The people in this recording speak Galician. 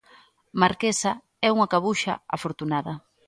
Marquesa é unha cabuxa afortunada.